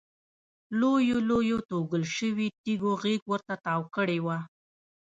لویو لویو توږل شویو تیږو غېږ ورته تاو کړې وه.